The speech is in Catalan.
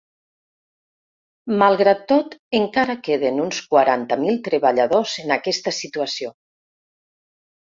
Malgrat tot, encara queden uns quaranta mil treballadors en aquesta situació.